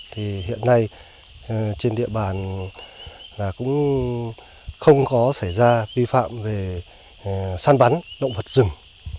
địa bàn cũng không có xảy ra vi phạm về săn bắn động vật rừng